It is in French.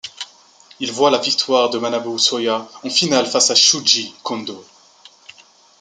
Il voit la victoire de Manabu Soya en finale face à Shūji Kondō.